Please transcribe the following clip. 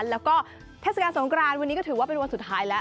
แล้วก็เทศกาลสงกรานวันนี้ก็ถือว่าเป็นวันสุดท้ายแล้ว